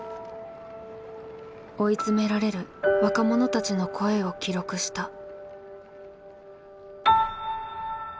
追い詰められる若者たちの声を記録した。